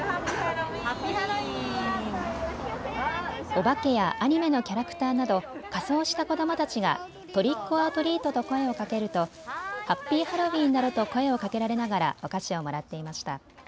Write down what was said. お化けやアニメのキャラクターなど仮装をした子どもたちがトリックオアトリートと声をかけるとハッピーハロウィーンなどと声をかけられながらお菓子をもらっていました。